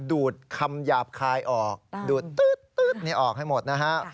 ดูดคำหยาบคายออกดูดตื๊ดนี่ออกให้หมดนะฮะ